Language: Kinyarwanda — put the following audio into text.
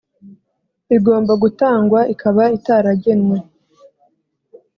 Igomba gutangwa ikaba itaragenwe